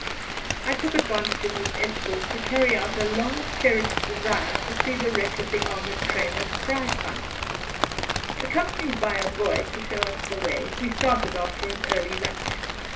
I took advantage of his escort to carry out a long cherished desire to see the wreck of the armoured train at Kraipann. Accompanied by a boy to show us the way, we started after an early lunch.